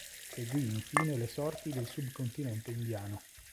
Seguì infine le sorti del subcontinente indiano.